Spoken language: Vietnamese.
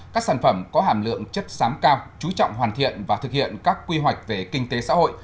các sản phẩm có hàm lượng chất xám cao chú trọng hoàn thiện và thực hiện các quy hoạch về kinh tế xã hội